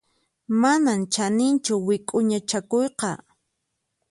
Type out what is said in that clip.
Manan chaninchu wik'uña chakuyqa.